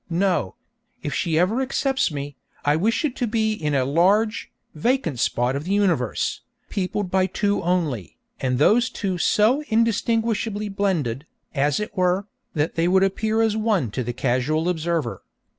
No; if she ever accepts me, I wish it to be in a large, vacant spot of the universe, peopled by two only, and those two so indistinguishably blended, as it were, that they would appear as one to the casual observer.